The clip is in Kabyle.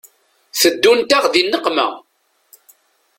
Teddunt-aɣ di nneqma.